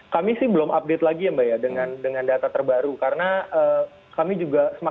kami sih belum update lagi ya mbak ya dengan data terbaru karena kami juga semakin pesimis dengan data terbaru